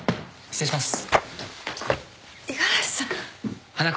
失礼します。